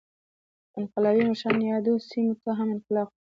انقلابي مشرانو یادو سیمو ته هم انقلاب خپور کړ.